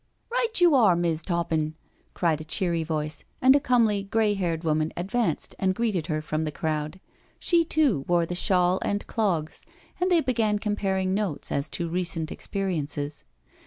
" Right you are. Miss' Toppin," cried a cheery voice, and: a icomely, grey haired woman advanced and greeted her from the crowd. She too wore the shawl and clogs, and they began comparing notes as to recent experiences.